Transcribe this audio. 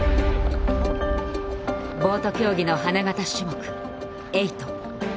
ボート競技の花形種目「エイト」。